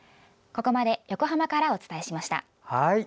ここまで横浜からお伝えしました。